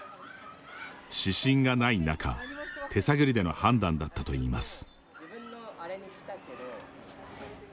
指針がない中手探りでの判断だったといいます。